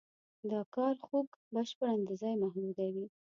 دا کار خوک بشپړاً د ځای محدودوي.